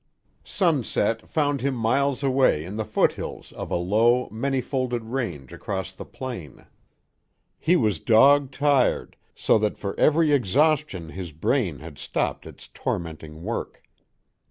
Sunset found him miles away in the foothills of a low, many folded range across the plain. He was dog tired, so that for very exhaustion his brain had stopped its tormenting work.